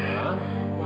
ya apa sih mak